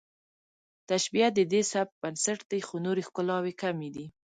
تشبیه د دې سبک بنسټ دی خو نورې ښکلاوې کمې دي